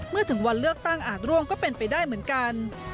เมื่อถึงวันเลือกตั้งอากร่วงก็เป็นไปได้เหมือนกัน